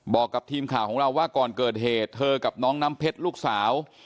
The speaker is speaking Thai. บอกกับทีมข่าวของเราว่าก่อนเกิดเหตุเธอกับน้องน้ำเพชรลูกสาว